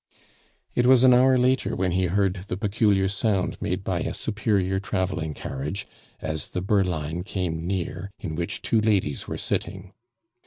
It was an hour later when he heard the peculiar sound made by a superior traveling carriage, as the berline came near in which two ladies were sitting.